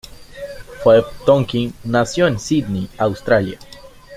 Phoebe Tonkin nació en Sídney, Australia.